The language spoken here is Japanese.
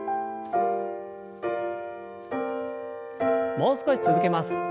もう少し続けます。